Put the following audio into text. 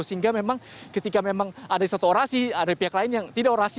sehingga memang ketika memang ada satu orasi ada pihak lain yang tidak orasi